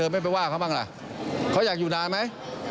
ไม่ไปว่าเขาบ้างล่ะเขาอยากอยู่นานไหม